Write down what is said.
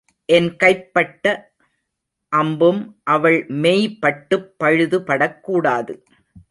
என் கைப்பட்ட அம்பும் அவள் மெய்பட்டுப் பழுது படக் கூடாது.